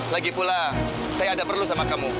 lagipula saya ada perlu sama kamu